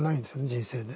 人生で。